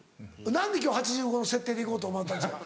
何で今日８５の設定で行こうと思われたんですか？